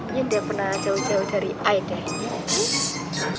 ini udah pernah jauh jauh dari air deh